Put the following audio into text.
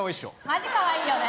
マジかわいいよね